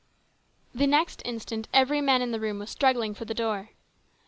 The next instant every man in the room was struggling for the door.